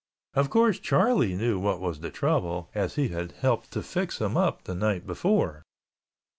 Of course, Charlie knew what was the trouble as he had helped to fix him up the night before.